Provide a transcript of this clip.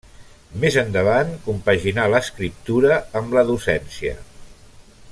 Més endavant compaginà l'escriptura amb la docència.